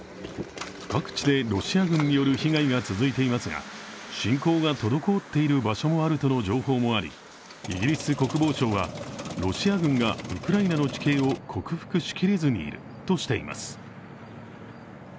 各地でロシア軍による被害が続いていますが侵攻が滞っている場所もあるとの情報もありイギリス国防省はロシア軍がウクライナの地形を克服できずにいるとしています。